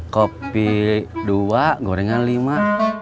kopi dua goreng lima